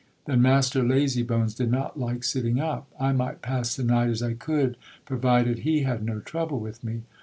Then master lazy bones did not like sitting up ! I might pass the night as I could, provided he had no trouble with me.